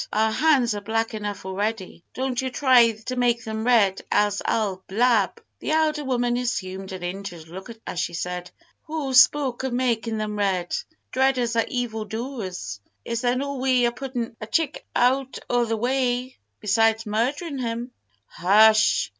Our hands are black enough already; don't you try to make them red, else I'll blab!" The elder woman assumed an injured look as she said, "Who spoke of makin' them red? Evil dreaders are evil doers. Is there no way o' puttin' a chick out o' the way besides murderin' him?" "Hush!"